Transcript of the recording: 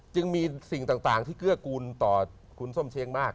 จึงมีสิ่งต่างที่เกื้อกูลต่อคุณส้มเช้งมาก